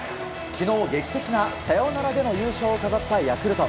昨日、劇的なサヨナラでの優勝を飾ったヤクルト。